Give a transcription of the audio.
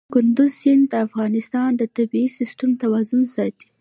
کندز سیند د افغانستان د طبعي سیسټم توازن ساتي.